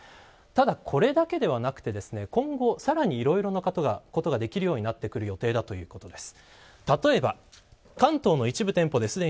ただ、これだけではなくて今後さらにいろいろなことができるようになってくる予定だということです。